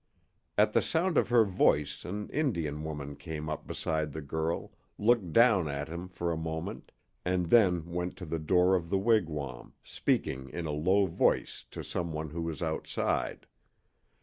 At the sound of her voice an indian woman came up beside the girl, looked down at him for a moment, and then went to the door of the wigwam, speaking in a low voice to some one who was outside.